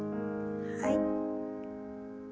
はい。